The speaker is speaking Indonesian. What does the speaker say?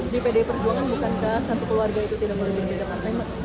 di pdi perjuangan bukankah satu keluarga itu tidak boleh berbeda partai